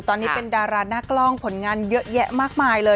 ตอนนี้เป็นดาราหน้ากล้องผลงานเยอะแยะมากมายเลย